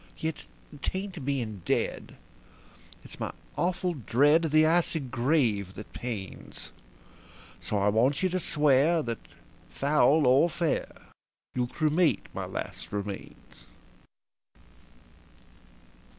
Yet 'tain't being dead it's my awful dread of the icy grave that pains; So I want you to swear that, foul or fair, you'll cremate my last remains."